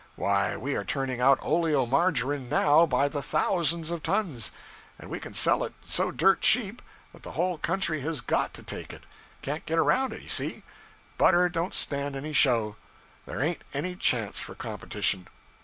Why, we are turning out oleomargarine _now _by the thousands of tons. And we can sell it so dirt cheap that the whole country has _got _to take it can't get around it you see. Butter don't stand any show there ain't any chance for competition.